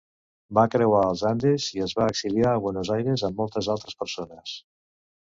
Va creuar els Andes i es va exiliar a Buenos Aires amb moltes altres persones.